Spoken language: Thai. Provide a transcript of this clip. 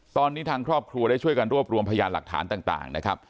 ตอนนี้ทางครอบครัวได้ช่วยกันรวบรวมพยานหลักฐานต่างนะครับ